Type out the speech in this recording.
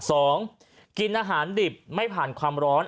กินอาหารดิบไม่ผ่านความร้อน